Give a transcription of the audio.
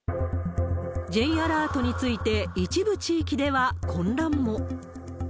Ｊアラートについて、一部地域では混乱も。